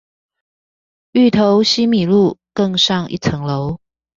芋頭西米露，更上一層樓